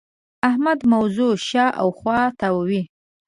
احمد موضوع شااوخوا تاووې.